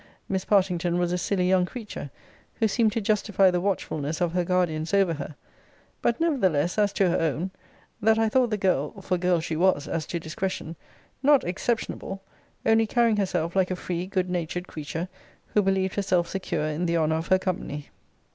Miss Partington was a silly young creature; who seemed to justify the watchfulness of her guardians over her. But nevertheless, as to her own, that I thought the girl (for girl she was, as to discretion) not exceptionable; only carrying herself like a free good natured creature who believed herself secure in the honour of her company.